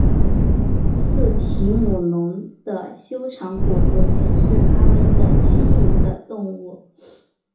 似提姆龙的修长骨头显示它们的轻盈的动物。